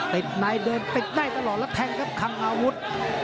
ติดนายท์เดินติดได้ตลอดแล้วแต่งครับขังอาหุฏ